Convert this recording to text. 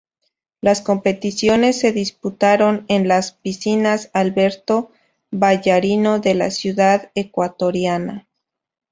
Las competiciones se disputaron en las Piscinas Alberto Vallarino de la ciudad ecuatoriana.